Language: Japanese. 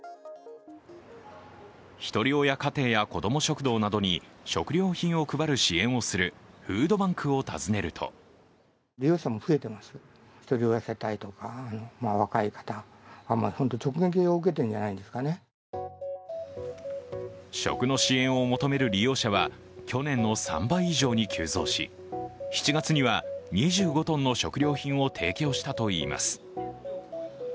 ひとり親家庭やこども食堂などに食料品を配る支援をするフードバンクを訪ねると食の支援を求める利用者は去年の３倍以上に急増し、７月には２５ｔの食料品を提供したといいます。